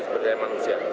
pertama percaya manusia